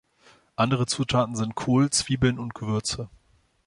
Andere Zutaten sind Kohl, Zwiebeln und Gewürze.